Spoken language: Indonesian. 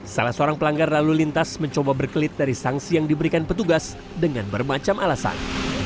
salah seorang pelanggar lalu lintas mencoba berkelit dari sanksi yang diberikan petugas dengan bermacam alasan